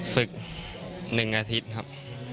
ศึก๑อาทิตย์ครับ